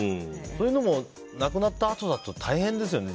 そういうのも亡くなったあとだと大変ですよね。